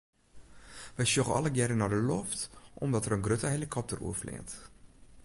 We sjogge allegearre nei de loft omdat der in grutte helikopter oerfleant.